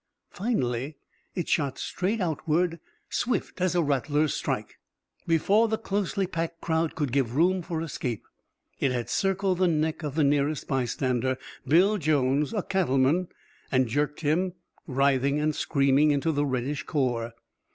Finally it shot straight outward swift as a rattler's strike! Before the closely packed crowd could give room for escape, it had circled the neck of the nearest bystander, Bill Jones, a cattleman, and jerked him, writhing and screaming, into the reddish core.